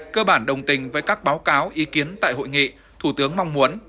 cơ bản đồng tình với các báo cáo ý kiến tại hội nghị thủ tướng mong muốn